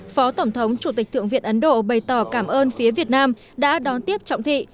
phó tổng thống chủ tịch thượng viện ấn độ bày tỏ cảm ơn phía việt nam đã đón tiếp trọng thị